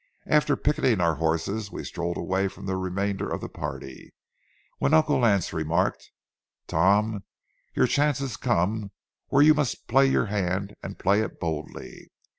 After picketing our horses, we strolled away from the remainder of the party, when Uncle Lance remarked: "Tom, your chance has come where you must play your hand and play it boldly.